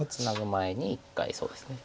前に一回そうですね。